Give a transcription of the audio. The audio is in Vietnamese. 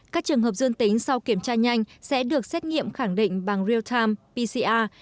các trường hợp dương tính sau kiểm tra nhanh sẽ được xét nghiệm khẳng định bằng real time pcr